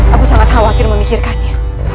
aku sangat khawatir memikirkannya